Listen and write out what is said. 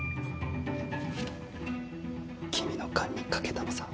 君の勘に賭けたのさ。